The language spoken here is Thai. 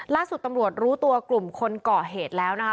ล่าสุดตำรวจรู้ตัวกลุ่มคนเกาะเหตุแล้วนะคะ